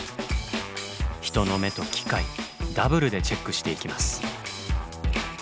人の目と機械ダブルでチェックしていきます。